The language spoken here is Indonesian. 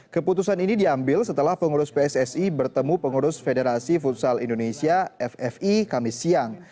keputusan ini diambil setelah pengurus pssi bertemu pengurus federasi futsal indonesia ffi kamis siang